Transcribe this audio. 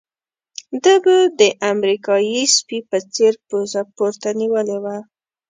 ده به د امریکایي سپي په څېر پوزه پورته نيولې وه.